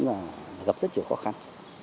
nó gặp rất nhiều khó khăn